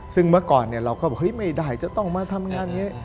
ซึ่งเมื่อก่อนเราก็บอกเฮ้ยไม่ได้จะต้องมาทำงานอย่างนี้